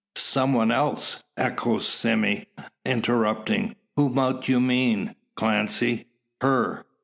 "Some one else!" echoes Sime, interrupting; "who mout ye mean, Clancy?" "Her."